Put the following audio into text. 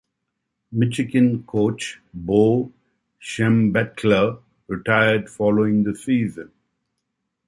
Michigan coach Bo Schembechler retired following the season.